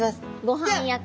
ごはん役。